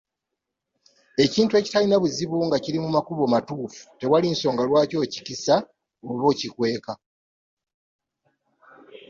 Ekintu ekitalina buzibu nga kiri mu makubo matuufu tewali nsonga lwaki okikisa oba okikweka.